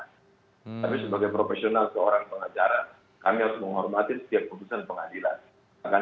tapi sebagai profesional seorang pengacara kami harus menghormati setiap keputusan pengadilan